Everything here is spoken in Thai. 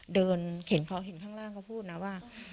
เดินเขาเห็นข้างล่างเขาพูดนะว่า